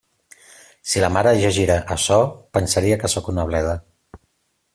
Si la mare llegira açò, pensaria que sóc una bleda.